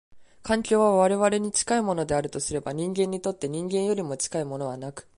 環境は我々に近いものであるとすれば、人間にとって人間よりも近いものはなく、